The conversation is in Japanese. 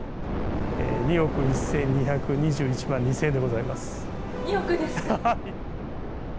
２億１２２１万２０００円です。